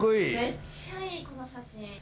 めっちゃいいこの写真。